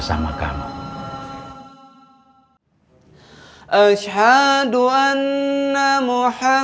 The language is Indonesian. ya sekarang ga dari